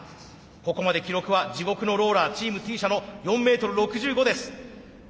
ここまで記録は地獄のローラーチームＴ社の４メートル６５です。